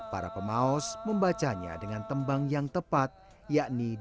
para pemaus membacanya dengan tembang yang tepat yakni ding dan kemah